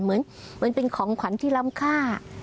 เหมือนเป็นของขวัญที่ล้ำค่า